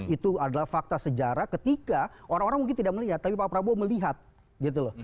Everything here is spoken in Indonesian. itu adalah fakta sejarah ketika orang orang mungkin tidak melihat tapi pak prabowo melihat gitu loh